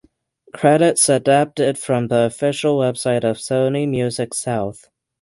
Credits adapted from the official website of Sony Music South.